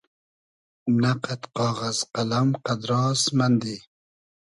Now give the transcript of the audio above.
نۂ قئد قاغئز قئلئم قئدراس مئندی